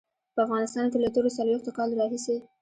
په افغانستان کې له تېرو څلويښتو کالو راهيسې.